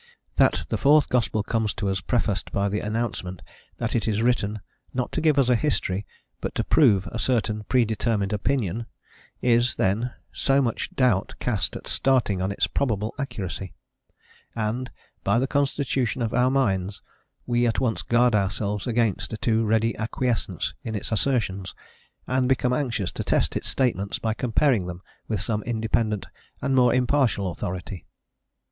That the fourth gospel comes to us prefaced by the announcement that it is written, not to give us a history, but to prove a certain predetermined opinion, is, then, so much doubt cast at starting on its probable accuracy; and, by the constitution of our minds, we at once guard ourselves against a too ready acquiescence in its assertions, and become anxious to test its statements by comparing them with some independent and more impartial authority.